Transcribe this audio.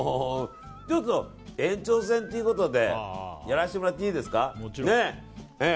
延長戦ということでやらせてもらっていいですか。